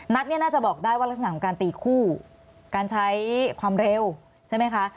เนี่ยน่าจะบอกได้ว่ารักษณะของการตีคู่การใช้ความเร็วใช่ไหมคะ